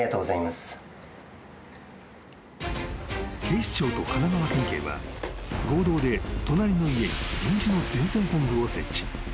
［警視庁と神奈川県警は合同で隣の家に臨時の前線本部を設置］